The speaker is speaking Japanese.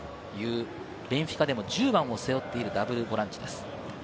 ベンフィカでも１０番を背負っているダブルボランチです。